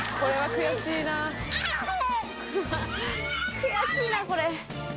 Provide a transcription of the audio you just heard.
悔しいなこれ。